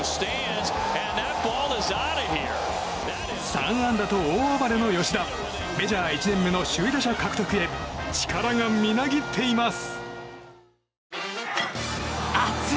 ３安打と大暴れの吉田メジャー１年目の首位打者獲得へ力がみなぎっています。